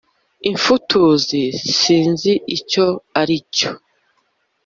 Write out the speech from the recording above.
imfutuzi: sinzi icyo aricyo